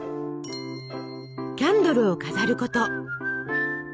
キャンドルを飾ること。